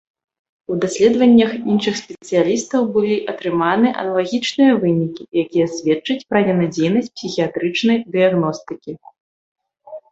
У даследваннях іншых спецыялістаў былі атрыманы аналагічныя вынікі, якія сведчаць пра ненадзейнасць псіхіятрычнай дыягностыкі.